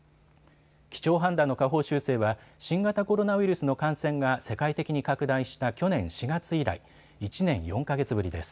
基調判断の下方修正は新型コロナウイルスの感染が世界的に拡大した去年４月以来、１年４か月ぶりです。